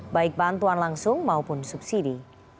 baik bantuan langsung maupun subsidi